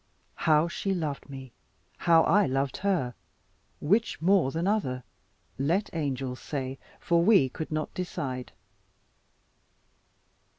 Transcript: How she loved me, how I loved her; which more than other let angels say; for we could not decide.